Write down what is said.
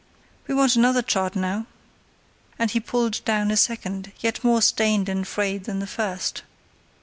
"We want another chart now," and he pulled down a second yet more stained and frayed than the first.